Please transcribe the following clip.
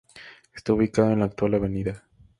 Está ubicado en la actual Av.